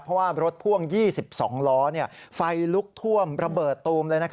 เพราะว่ารถพ่วง๒๒ล้อไฟลุกท่วมระเบิดตูมเลย